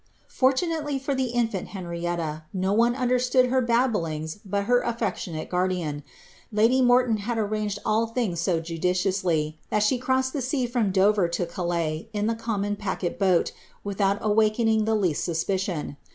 "' Fortunately for lant Henrietta, no one understood her babblings but her afiectiooate ian. Lady Morton had arranged all things so judiciously that she nI the sea from Dover to Calus, in the common packet boat, with irakening the least suspicion.